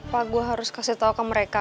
apa gue harus kasih tau ke mereka